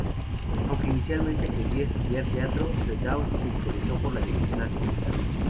Aunque inicialmente quería estudiar teatro, Trudeau se interesó por la dirección artística.